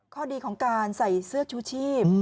ข้อดีของการใส่เสื้อชูชีพ